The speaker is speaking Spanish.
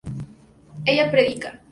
ella predica